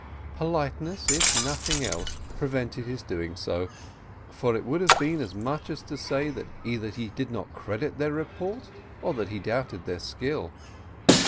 Politeness, if nothing else, prevented his so doing, for it would have been as much as to say that either he did not credit their report, or that he doubted their skill.